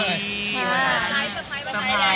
สะพร้ายสะพร้ายสะพร้าย